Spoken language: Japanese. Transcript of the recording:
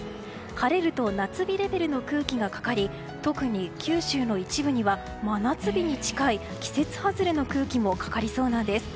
晴れると夏日レベルの空気がかかり特に九州の一部には真夏日に近い季節外れの空気もかかりそうなんです。